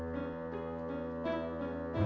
gak ada apa apa